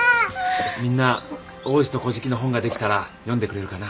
みんな「王子と乞食」の本が出来たら読んでくれるかな？